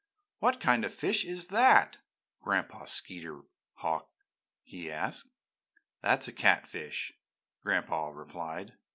"What kind of a fish is that, Gran'pa Skeeterhawk?" he asked. "That's a catfish!" Gran'pa replied.